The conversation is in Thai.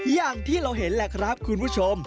อย่างที่เราเห็นแหละครับคุณผู้ชม